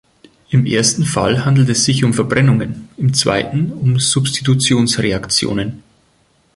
Im ersten Fall handelt es sich um Verbrennungen, im zweiten um Substitutionsreaktionen.